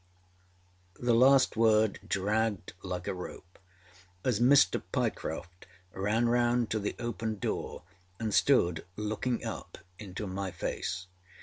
â The last word dragged like a rope as Mr. Pyecroft ran round to the open door, and stood looking up into my face.